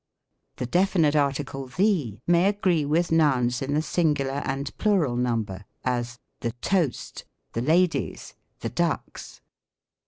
The definite article ihe may agree with nouns in the singular and plural number : as, " The toast, the ladies, the ducks."